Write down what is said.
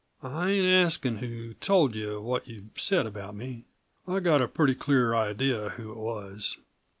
I ain't askin' who told you what you've said about me I've got a pretty clear idea who it was.